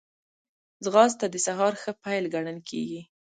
ځغاسته د سهار ښه پيل ګڼل کېږي